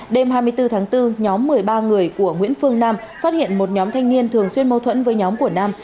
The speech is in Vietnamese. đêm hai mươi bốn tháng bốn nhóm một mươi ba người của nguyễn phương nam phát hiện một nhóm thanh niên thường xuyên mâu thuẫn với nhóm của nam